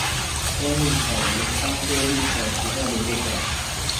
滇葎草为桑科葎草属下的一个种。